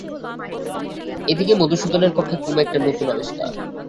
এ দিকে মধুসূদনের পক্ষে কুমু একটি নূতন আবিষ্কার।